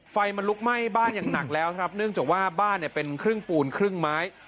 ไฟมันลุกไหม้บ้านอย่างหนักแล้วครับเนื่องจากว่าบ้านเนี่ยเป็นครึ่งปูนครึ่งไม้